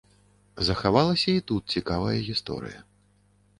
Захавалася і тут цікавая гісторыя.